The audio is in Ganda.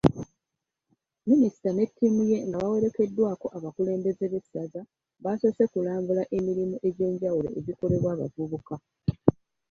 Minisita ne ttiimu ye nga bawerekeddwako abakulembeze b'essaza, basoose kulambula emirimu egy'enjawulo egikolebwa abavubuka.